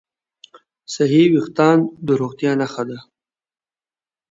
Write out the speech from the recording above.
صحي وېښتيان د روغتیا نښه ده.